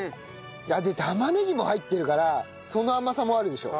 で玉ねぎも入ってるからその甘さもあるでしょ。